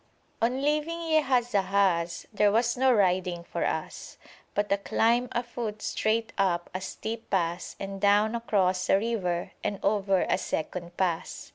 On leaving Yehazahaz there was no riding for us, but a climb afoot straight up a steep pass and down across a river and over a second pass.